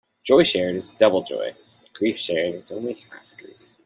Joy shared is double joy; grief shared is only half grief.